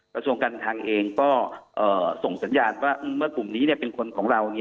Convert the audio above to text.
กระทรวงการคลังเองก็ส่งสัญญาณว่าเมื่อกลุ่มนี้เป็นคนของเรา